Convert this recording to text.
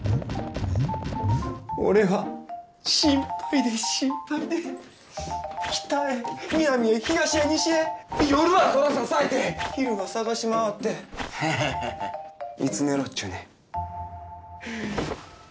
俺は心配で心配で北へ南へ東へ西へ夜は空支えて昼は捜し回ってハハハハいつ寝ろっちゅうねん。